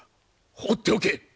放っておけ！